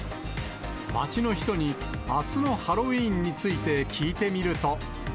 街の人に、あすのハロウィーンについて聞いてみると。